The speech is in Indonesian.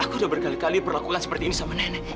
aku udah bergali gali berlakukan seperti ini sama nenek